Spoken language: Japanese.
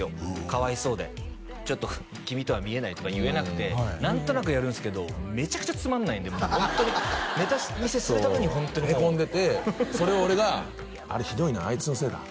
かわいそうで「ちょっと君とは見えない」とか言えなくて何となくやるんすけどめちゃくちゃつまんないんでもうホントにネタ見せするたびにそうへこんでてそれを俺が「あれひどいのはあいつのせいだ」